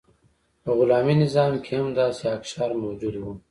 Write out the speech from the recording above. په غلامي نظام کې هم داسې اقشار موجود وو.